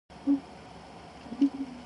For both, this was their second marriage.